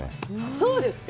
そうですか？